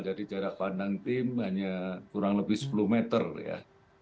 jadi jarak pandang tim hanya kurang lebih sepuluh meter ya